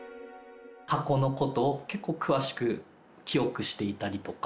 過去のことを結構詳しく記憶していたりとか、